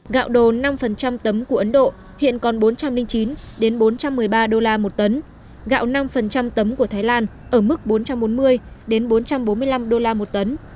gạo đồ năm tấm của ấn độ hiện còn bốn trăm linh chín bốn trăm một mươi ba đô la một tấn gạo năm tấm của thái lan ở mức bốn trăm bốn mươi bốn trăm bốn mươi năm đô la một tấn